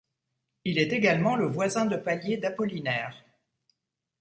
Il est également le voisin de palier d'Apollinaire.